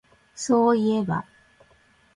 そういえば